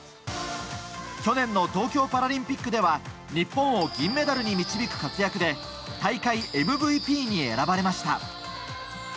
去年の東京パラリンピックでは日本を銀メダルに導く活躍で大会ＭＶＰに選ばれました。